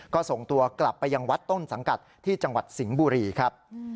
ก็ส่งตัวกลับไปยังวัดต้นสังกัดที่จังหวัดสิงห์บุรีครับ